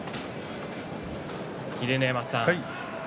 秀ノ山さん